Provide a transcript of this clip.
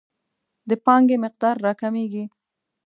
د پانګې مقدار راکمیږي.